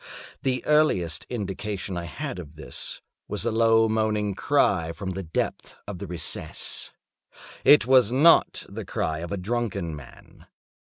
The earliest indication I had of this was a low moaning cry from the depth of the recess. It was not the cry of a drunken man.